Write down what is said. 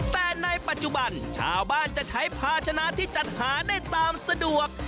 แต่ในปัจจุบันชาวบ้านจะใช้ภาชนะที่จัดหาได้ตามสะดวก